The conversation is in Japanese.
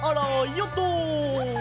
ヨット！